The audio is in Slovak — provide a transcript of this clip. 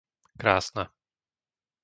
Krásna